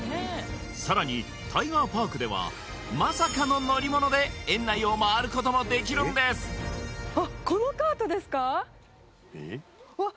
さらにタイガーパークではで園内を回ることもできるんですわっ